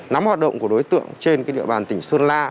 nắm hoạt động của đối tượng trên địa bàn tỉnh sơn la